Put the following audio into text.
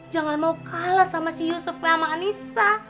jangan mau kalah sama si yusuf sama anissa